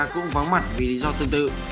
cũng vắng mặt vì lý do tương tự